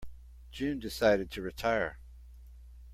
June decided to retire.